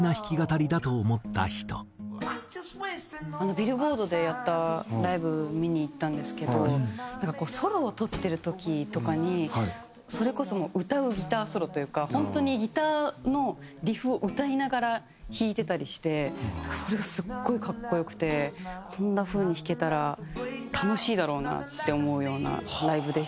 Ｂｉｌｌｂｏａｒｄでやったライブを見に行ったんですけどなんかソロを取ってる時とかにそれこそもう歌うギターソロというか本当にギターのリフを歌いながら弾いてたりしてそれがすごい格好良くてこんな風に弾けたら楽しいだろうなって思うようなライブでしたね。